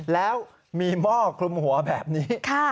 แล้วมีหม้อคลุมหัวแบบนี้